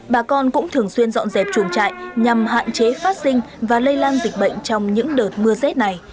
bà con cũng thường xuyên dọn dẹp chuồng trại nhằm hạn chế phát sinh và lây lan dịch bệnh trong những đợt mưa rét này